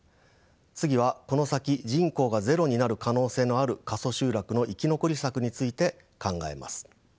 次はこの先人口がゼロになる可能性のある過疎集落の生き残り策について考えます。